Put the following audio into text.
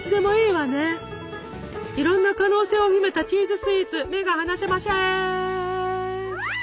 いろんな可能性を秘めたチーズスイーツ目が離せません。